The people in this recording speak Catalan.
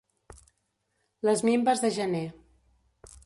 Les minves de gener.